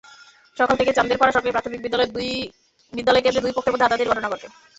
সকাল থেকে চান্দেরপাড়া সরকারি প্রাথমিক বিদ্যালয় কেন্দ্রে দুই পক্ষের মধ্যে হাতাহাতির ঘটনা ঘটে।